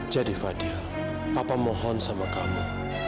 jadi fadil papa mohon sama kamu